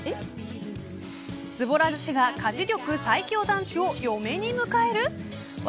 ズボラ女子が、家事力最強男子を嫁に迎えます。